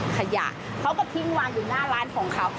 ขยะเขาก็ทิ้งวางอยู่หน้าร้านของเขา